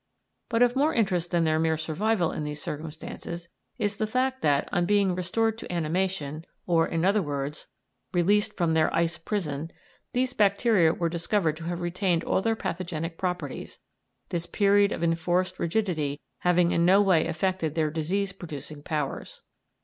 But of more interest than their mere survival in these circumstances is the fact that, on being restored to animation or, in other words, released from their ice prison these bacteria were discovered to have retained all their pathogenic properties, this period of enforced rigidity having in no way affected their disease producing powers.